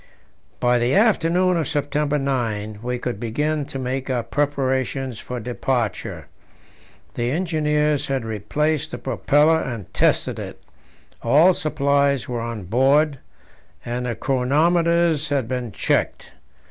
By the afternoon of September 9 we could begin to make our preparations for departure. The engineers had replaced the propeller and tested it; all supplies were on board, and the chronometers had been checked.